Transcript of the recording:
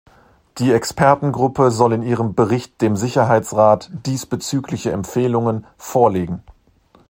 Die Expertengruppe soll in ihrem Bericht dem Sicherheitsrat diesbezügliche Empfehlungen vorlegen.